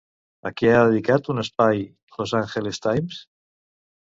A què ha dedicat un espai Los Ángeles Times?